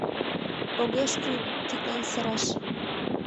Огеш кӱл тидлан сыраш.